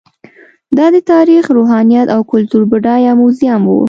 دا د تاریخ، روحانیت او کلتور بډایه موزیم و.